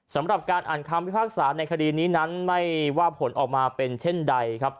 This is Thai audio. สำหรับการอ่านคำพิพากษาในคดีนี้นั้นไม่ว่าผลออกมาเป็นเช่นใดครับ